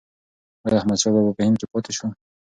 ایا احمدشاه بابا په هند کې پاتې شو؟